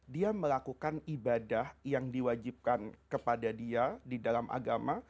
dia melakukan ibadah yang diwajibkan kepada dia di dalam agama